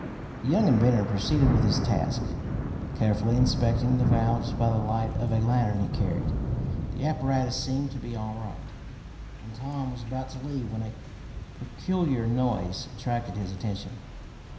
The young inventor proceeded with his task, carefully inspecting the valves by the light of a lantern he carried. The apparatus seemed to be all right, and Tom was about to leave when a peculiar noise attracted his attention.